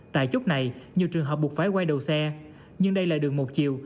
tại chốt này nhiều trường hợp buộc phải quay đầu xe nhưng đây là đường một chiều